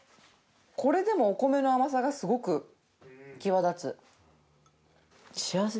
これでもお米の甘さがすごく際立つ。